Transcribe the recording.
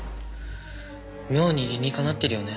妙に理に適ってるよね。